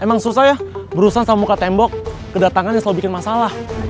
emang susah ya berusaha sama muka tembok kedatangan yang selalu bikin masalah